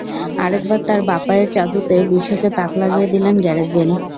আরেকবার তাঁর বাঁ পায়ের জাদুতে বিশ্বকে তাক লাগিয়ে দিলেন গ্যারেথ বেল।